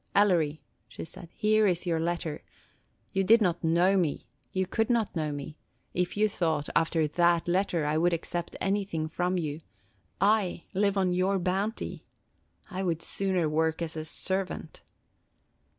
"Ellery," she said, "here is your letter. You did not know me – you could not know me – if you thought, after that letter, I would accept anything from you! I live on your bounty! I would sooner work as a servant!"